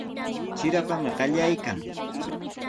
Trirapami qallaykan.